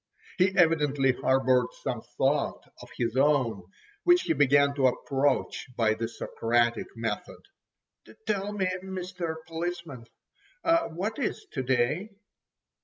He evidently harboured some thought of his own, which he began to approach by the Socratic method. "Tell me, Mr. Policeman, what is to day?"